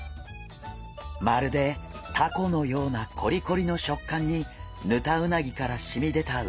まるでタコのようなコリコリの食感にヌタウナギからしみ出たうまみ。